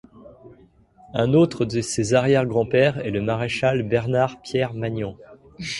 Un autre de ses arrière-grands-pères est le maréchal Bernard Pierre Magnan.